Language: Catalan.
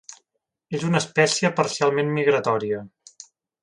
És una espècie parcialment migratòria.